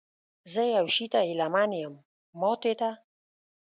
زه یو شي ته هیله من یم، ماتې ته؟